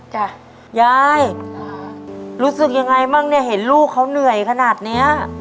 จ้ะยายรู้สึกยังไงบ้างเนี่ยเห็นลูกเขาเหนื่อยขนาดเนี้ย